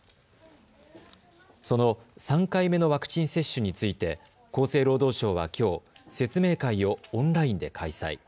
その３回目のワクチン接種について厚生労働省はきょう説明会をオンラインで開催。